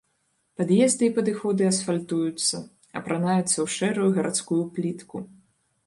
Пад'езды і падыходы асфальтуюцца, апранаюцца ў шэрую гарадскую плітку.